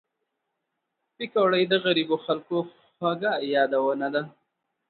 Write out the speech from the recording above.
پکورې د غریبو خلک خوږ یادونه ده